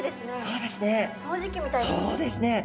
そうですね。